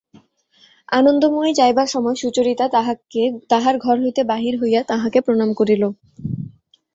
আনন্দময়ী যাইবার সময় সুচরিতা তাহার ঘর হইতে বাহির হইয়া তাঁহাকে প্রণাম করিল।